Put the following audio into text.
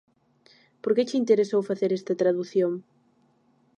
Por que che interesou facer esta tradución?